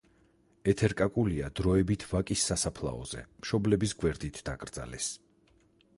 ეთერ კაკულია დროებით, ვაკის სასაფლაოზე, მშობლების გვერდით დაკრძალეს.